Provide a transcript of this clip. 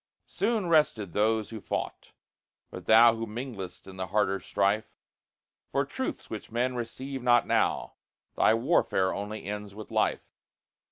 Soon rested those who fought; but thou Who minglest in the harder strife For truths which men receive not now, Thy warfare only ends with life.